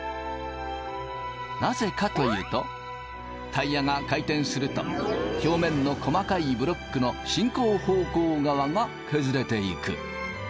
なぜかというとタイヤが回転すると表面の細かいブロックの進行方向側が削れていく。